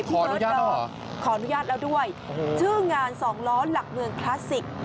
เบิร์ตบอกขออนุญาตแล้วด้วยชื่องานสองล้อหลักเมืองคลาสสิก